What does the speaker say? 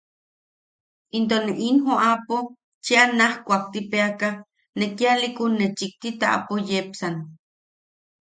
Into ne in joʼapo cheʼa naj kuaktipeaka, ne kialiʼikun ne chikti taʼapo yepsan.